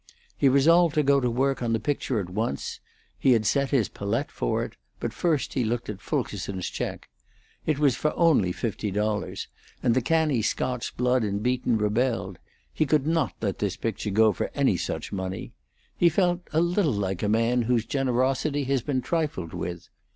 He resolved to go to work on the picture at once; he had set his palette for it; but first he looked at Fulkerson's check. It was for only fifty dollars, and the canny Scotch blood in Beaton rebelled; he could not let this picture go for any such money; he felt a little like a man whose generosity has been trifled with.